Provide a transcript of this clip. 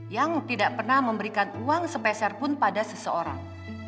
yang tidak pernah memberikan uang sepeserpun pada seseorang